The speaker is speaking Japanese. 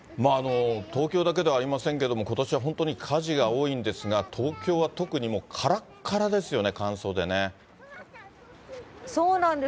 東京だけではありませんけれども、ことしは本当に火事が多いんですが、東京は特にもう、からっからですよね、そうなんです。